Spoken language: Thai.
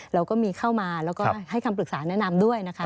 เราก็มีเข้ามาแล้วก็ให้คำปรึกษาแนะนำด้วยนะคะ